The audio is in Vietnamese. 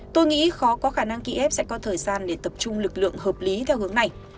tôi nghĩ khó có khả năng kiev sẽ có thời gian để tập trung lực lượng hợp lý theo hướng này